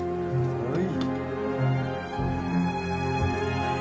はい。